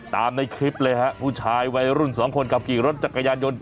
ในคลิปเลยฮะผู้ชายวัยรุ่นสองคนขับขี่รถจักรยานยนต์